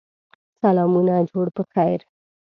سلامونه جوړ په خیر!